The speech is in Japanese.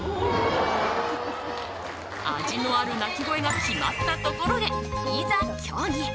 味のある鳴き声が決まったところでいざ競技。